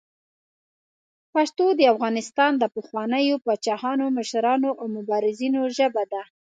پښتو د افغانستان د پخوانیو پاچاهانو، مشرانو او مبارزینو ژبه ده.